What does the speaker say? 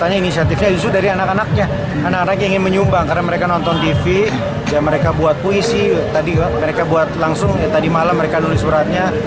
jadi mereka buat puisi mereka buat langsung tadi malam mereka nulis suratnya